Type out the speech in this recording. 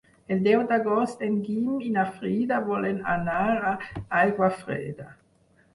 El deu d'agost en Guim i na Frida volen anar a Aiguafreda.